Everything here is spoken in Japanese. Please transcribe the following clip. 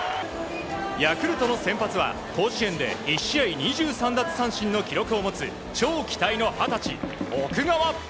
ヤクルトの先発は甲子園で１試合２３奪三振の記録を持つ超期待の二十歳、奥川。